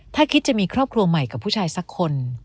ถ้าคิดจะมีครอบครัวใหม่กับผู้ชายสักคน